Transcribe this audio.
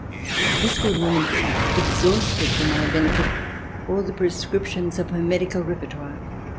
This good woman exhausted for my benefit all the prescriptions of her medical repertoire.